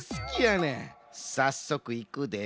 さっそくいくで。